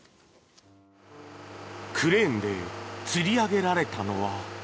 クレーンでつり上げられたのは。